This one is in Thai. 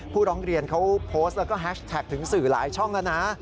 ร้องเรียนเขาโพสต์แล้วก็แฮชแท็กถึงสื่อหลายช่องแล้วนะ